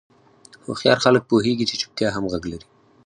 هوښیار خلک پوهېږي چې چوپتیا هم غږ لري.